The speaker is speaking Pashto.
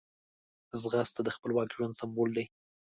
ځغاسته د خپلواک ژوند سمبول دی